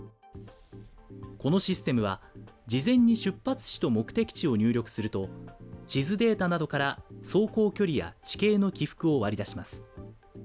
このシステムは、事前に出発地と目的地を入力すると、地図データなどから走行距離や地形の起伏を割り出します。